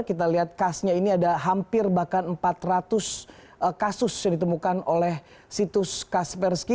kita lihat kasnya ini ada hampir bahkan empat ratus kasus yang ditemukan oleh situs kaspersky